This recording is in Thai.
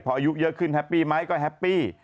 พออายุเยอะขึ้นแฮปปี้ไหมก็แฮปปี้